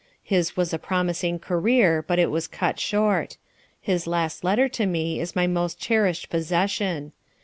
His was a promising career, but it was cut short. His last letter to me is my most cherished possession.